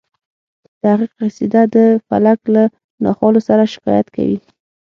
د هغه قصیده د فلک له ناخوالو څخه شکایت کوي